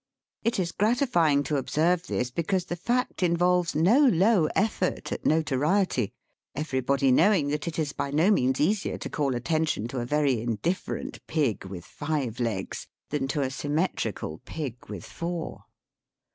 It is gratify ing to observe this, because the fact involves no low effort at notoriety ; everybody know ing that it is by no means easier to call attention to a very indifferent pig with five legs, than to a symmetrical pig with four.